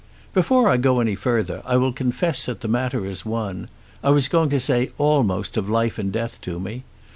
Before I go any further I will confess that the matter is one, I was going to say almost of life and death to me.